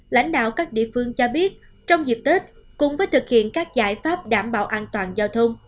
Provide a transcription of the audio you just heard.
lãnh đạo các địa phương cho biết trong dịp tết cùng với thực hiện các giải pháp đảm bảo an toàn giao thông